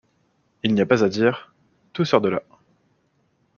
Il n’y a pas à dire, tout sort de là.